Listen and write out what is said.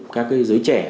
các cái giới trẻ